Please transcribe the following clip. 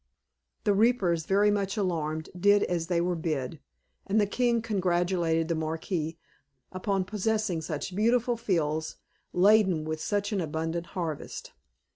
The reapers, very much alarmed, did as they were bid, and the king congratulated the Marquis upon possessing such beautiful fields, laden with such an abundant harvest.